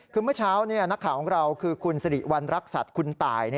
คือเมื่อเช้านักข่าวของเราคือคุณสิริวัณรักษัตริย์คุณตาย